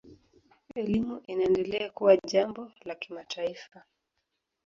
Elimu inaendelea kuwa jambo la kimataifa.